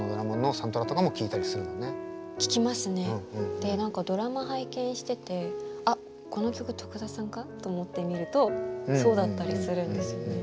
で何かドラマ拝見してて「あっこの曲得田さんか？」と思って見るとそうだったりするんですよね。